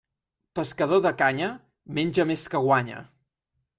Pescador de canya, menja més que guanya.